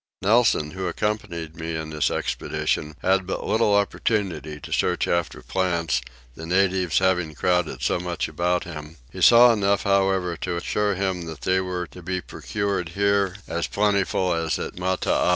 Nelson, who accompanied me in this expedition, had but little opportunity to search after plants, the natives having crowded so much about him: he saw enough however to assure him that they were to be procured here as plentifully as at Matavai.